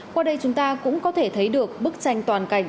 qua đây chúng ta cũng có thể thấy được bức tranh toàn cảnh